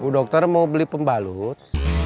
dokter mau beli pembalut